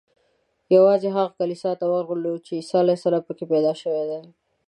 یوازې هغه کلیسا ته ورغلو چې عیسی علیه السلام په کې پیدا شوی دی.